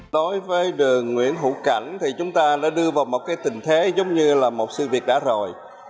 đối với đường nguyễn hữu cảnh thì chúng ta đã đưa vào một cái tình thế giống như là một sự việc đã rồi